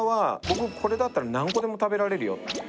「僕これだったら何個でも食べられるよ」